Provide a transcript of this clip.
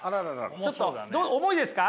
ちょっとどう重いですか？